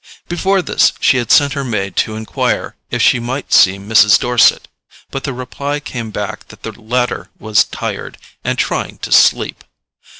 Before this she had sent her maid to enquire if she might see Mrs. Dorset; but the reply came back that the latter was tired, and trying to sleep.